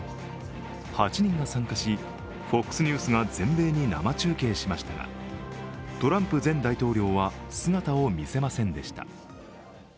８人が参加し、ＦＯＸニュースが全米に生中継しましたが、トランプ前大統領は姿を見せませんでした。